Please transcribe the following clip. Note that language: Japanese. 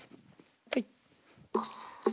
はい。